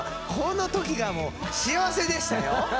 この時がもう幸せでしたよ。